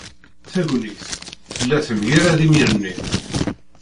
Tagnit tella temgerrad imir-nni.